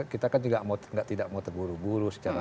kita kan juga tidak mau terburu buru secara